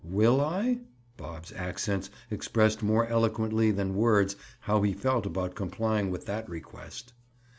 "Will I?" Bob's accents expressed more eloquently than words how he felt about complying with that request.